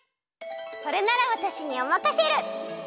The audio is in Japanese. それならわたしにおまかシェル！